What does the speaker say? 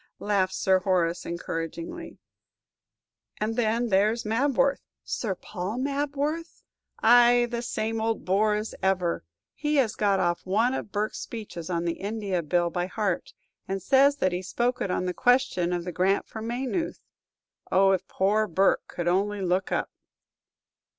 laughed Sir Horace, encouragingly. "And then there's Mabworth." "Sir Paul Mabworth?" "Ay, the same old bore as ever! He has got off one of Burke's speeches on the India Bill by heart, and says that he spoke it on the question of the grant for Maynooth. Oh, if poor Burke could only look up!"